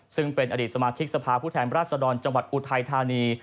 ซึ่งเป็นอดีตสมาชิกสภาพผู้แทนราชดรจังหวัดอุทัยธานี